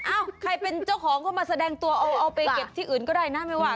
ใครเป็นเจ้าของก็มาแสดงตัวเอาไปเก็บที่อื่นก็ได้นะไม่ว่า